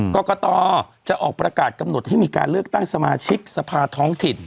กรกตจะออกประกาศกำหนดให้มีการเลือกตั้งสมาชิกสภาท้องถิ่น